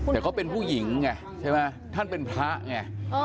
แต่เขาเป็นผู้หญิงไงใช่ไหมท่านเป็นพระไง